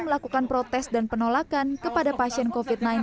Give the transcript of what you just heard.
melakukan protes dan penolakan kepada pasien covid sembilan belas